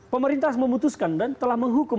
pemerintah memutuskan dan telah menghukum